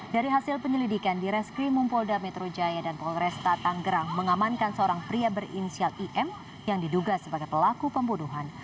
dari hasil penyelidikan di reskrimum polda metro jaya dan polresta tanggerang mengamankan seorang pria berinisial im yang diduga sebagai pelaku pembunuhan